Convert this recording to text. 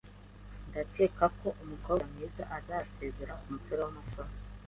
Ndakeka ko umukobwa mwiza azasezera kumusore wamasoni.